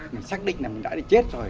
mình xác định là mình đã chết rồi